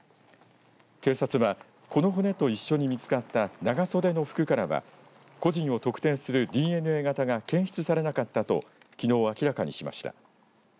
警察はこの骨と一緒に見つかった長袖の服からは個人を特定するＤＮＡ型が検出されなかったときのう明らかにしました。